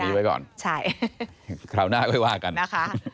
เอาจุดนี้ไว้ก่อนใช่คราวหน้าก็ไม่ว่ากันนะคะ